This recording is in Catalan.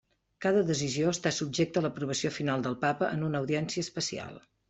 Cada decisió està subjecta a l'aprovació final del Papa en una audiència especial.